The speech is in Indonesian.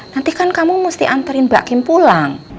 nanti kan kamu mesti anterin mbak kim pulang